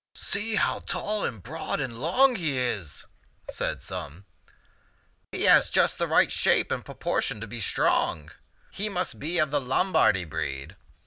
" See how tall and broad and long he is !" said some. " He has just the right shape and proportion to be strong. He must be of the Lombardy breed."